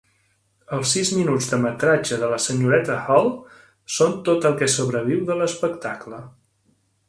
Els sis minuts de metratge de la Senyoreta Hall són tot el que sobreviu de l'espectacle.